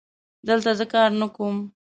دلته زه کار نه کوم